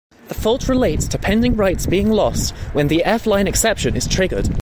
The fault relates to pending writes being lost when the F-line exception is triggered.